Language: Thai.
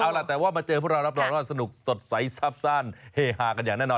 เอาล่ะแต่ว่ามาเจอพวกเรารับรองว่าสนุกสดใสซับสั้นเฮฮากันอย่างแน่นอน